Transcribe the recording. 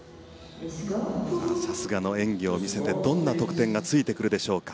さすがの演技を見せてどんな得点がついてくるでしょうか。